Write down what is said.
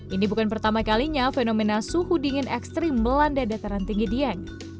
ini bukan pertama kalinya fenomena suhu dingin ekstrim melanda dataran tinggi dieng